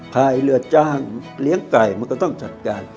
พายเรือจ้างเลี้ยงไก่มันก็ต้องจัดการ